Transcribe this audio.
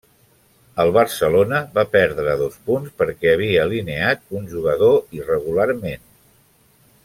El Barcelona va perdre dos punts perquè havia alineat un jugador irregularment.